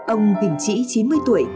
ông bình trĩ chín mươi tuổi